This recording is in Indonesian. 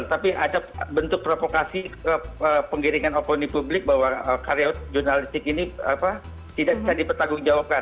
tapi ada bentuk provokasi penggiringan opini publik bahwa karya jurnalistik ini tidak bisa dipertanggungjawabkan